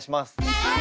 はい！